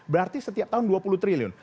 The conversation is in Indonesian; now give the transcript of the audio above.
berarti setiap tahun dua puluh triliun